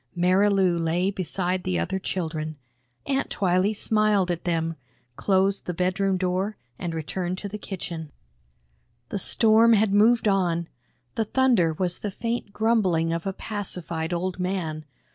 Marilou lay beside the other children. Aunt Twylee smiled at them, closed the bedroom door and returned to the kitchen. The storm had moved on; the thunder was the faint grumbling of a pacified old man.